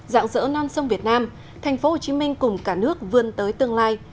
dạng dỡ non sông việt nam tp hcm cùng cả nước vươn tới tương lai